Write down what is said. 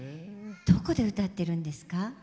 どこで歌ってるんですか？